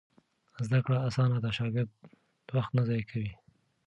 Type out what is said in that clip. زده کړه اسانه ده، شاګرد وخت نه ضایع کوي.